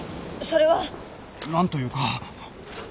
それは。何というか。